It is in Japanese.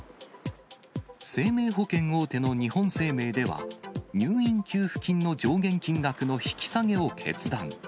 生命保険大手の日本生命では、入院給付金の上限金額の引き下げを決断。